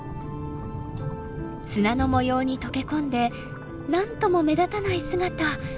砂の模様に溶け込んでなんとも目立たない姿。